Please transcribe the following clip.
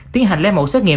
tiến hành lấy mẫu xét nghiệm